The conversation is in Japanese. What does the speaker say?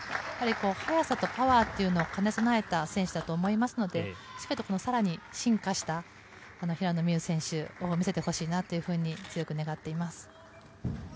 速さとパワーっていうのを兼ね備えた選手だと思いますのでしっかりさらに進化した平野美宇選手を見せてほしいなっていうふうに強く願っています。